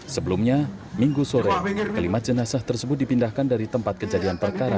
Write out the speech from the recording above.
sebelumnya minggu sore kelima jenazah tersebut dipindahkan dari tempat kejadian perkara